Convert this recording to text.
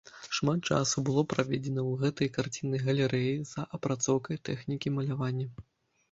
Шмат часу было праведзена ў гэтай карціннай галерэі за адпрацоўкай тэхнікі малявання.